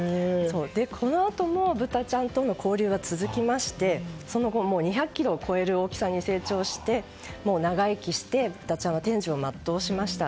このあともぶたちゃんと交流が続きましてその後、２００ｋｇを超える大きさに成長して長生きして、ぶたちゃんは天寿を全うしました。